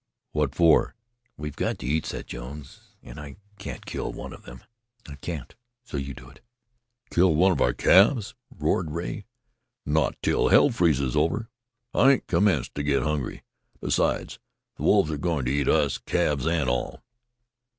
"What for?" demanded the giant. "We've got to eat," said Jones. "And I can't kill one of them. I can't, so you do it." "Kill one of our calves?" roared Rea. "Not till hell freezes over! I ain't commenced to get hungry. Besides, the wolves are going to eat us, calves and all."